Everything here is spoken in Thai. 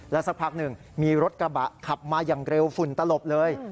สักพักหนึ่งมีรถกระบะขับมาอย่างเร็วฝุ่นตลบเลย